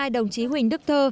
đồng chí huỳnh đức thơ